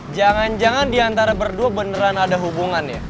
jangan jangan diantara berdua beneran ada hubungan ya